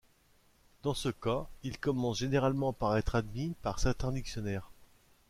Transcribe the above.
Dans ce cas, il commence généralement par être admis par certains dictionnaires.